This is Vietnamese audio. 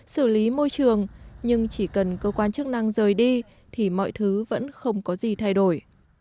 xử lý môi trường nhưng chỉ cần cơ quan chức năng rời đi thì mọi thứ vẫn không có gì thay đổi